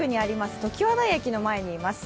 ときわ台駅の前にいます。